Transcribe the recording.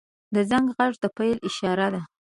• د زنګ غږ د پیل اشاره ده.